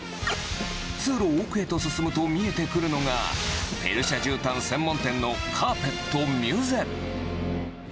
通路を奥へと進むと、見えてくるのが、ペルシャじゅうたん専門店のカーペットミュゼ。